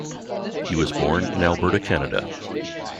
He was born in Alberta, Canada.